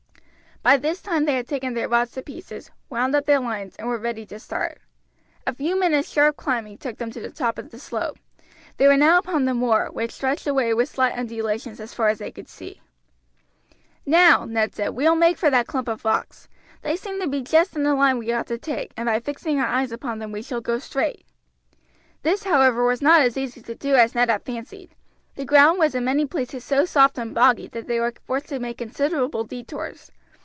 By this time they had taken their rods to pieces, wound up their lines, and were ready to start. A few minutes' sharp climbing took them to the top of the slope. They were now upon the moor, which stretched away with slight undulations as far as they could see. "Now," Ned said, "we will make for that clump of rocks. They seem to be just in the line we ought to take, and by fixing our eyes upon them we shall go straight." This, however, was not as easy to do as Ned had fancied; the ground was in many places so soft and boggy that they were forced to make considerable detours.